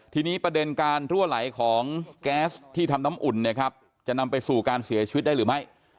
ทีนี้ประเด็นการรั่วไหลของแก๊สที่ทำน้ำอุ่นเนี่ยครับจะนำไปสู่การเสียชีวิตได้หรือไม่